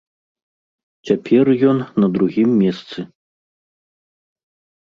Цяпер ён на другім месцы.